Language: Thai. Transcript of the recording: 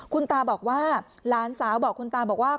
คุณตาบอกว่าหลานสาวบอกคุณตาบอกว่า